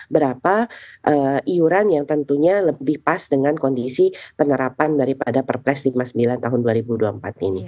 berapa iuran yang tentunya lebih pas dengan kondisi penerapan daripada perpres lima puluh sembilan tahun dua ribu dua puluh empat ini